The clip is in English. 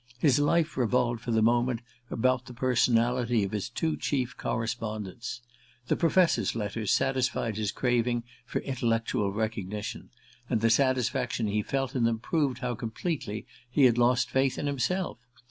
His life revolved for the moment about the personality of his two chief correspondents. The professor's letters satisfied his craving for intellectual recognition, and the satisfaction he felt in them proved how completely he had lost faith in himself.